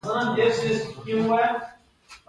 د سرحدونو بندیدل څومره تاوان و؟